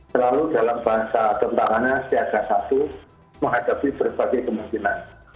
selalu dalam bahasa tentangannya siaga satu menghadapi berbagai kemungkinan